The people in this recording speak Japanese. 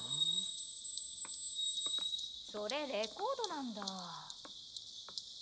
それレコードなんだぁ。